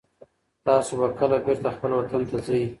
تاسو به کله بېرته خپل وطن ته ځئ؟